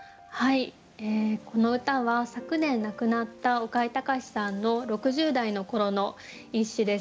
この歌は昨年亡くなった岡井隆さんの６０代の頃の一首です。